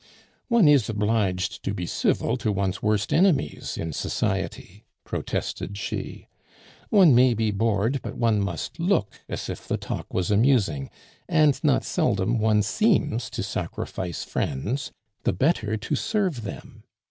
"One is obliged to be civil to one's worst enemies in society," protested she; "one may be bored, but one must look as if the talk was amusing, and not seldom one seems to sacrifice friends the better to serve them.